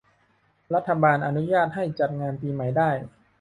รัฐบาลอนุญาตให้จัดงานปีใหม่ได้